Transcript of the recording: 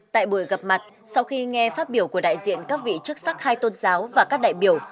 tại buổi gặp mặt sau khi nghe phát biểu của đại diện các vị chức sắc hai tôn giáo và các đại biểu